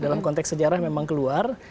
dalam konteks sejarah memang keluar